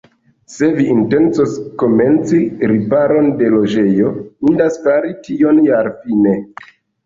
Se vi intencos komenci riparon de loĝejo, indas fari tion jarfine.